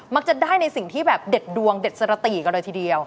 จะได้ในสิ่งที่แบบเด็ดดวงเด็ดสระตีกันเลยทีเดียว